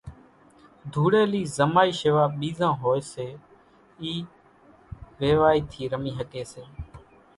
ڌوڙيلي زمائي شيوا ٻيران ھوئي سي اِي ويوائي ٿي رمي ۿڳي سي،